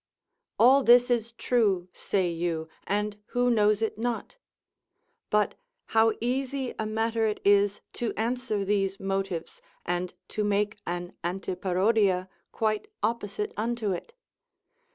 All this is true, say you, and who knows it not? but how easy a matter is it to answer these motives, and to make an Antiparodia quite opposite unto it?